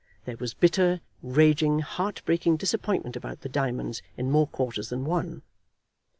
There was bitter, raging, heart breaking disappointment about the diamonds in more quarters than one.